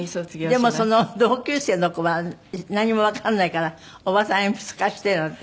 でもその同級生の子は何もわかんないから「おばさん鉛筆貸して」なんて。